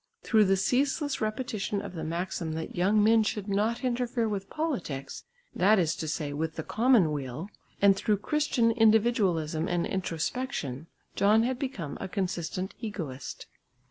Through the ceaseless repetition of the maxim that young men should not interfere with politics, that is to say, with the common weal, and through Christian individualism and introspection, John had become a consistent egoist.